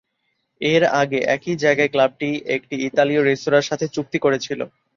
এর আগে, একই জায়গায় ক্লাবটি একটি ইতালিয় রেস্তোরাঁর সাথে চুক্তি করেছিল।